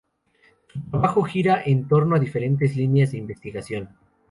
Su trabajo gira en torno a diferentes líneas de investigación.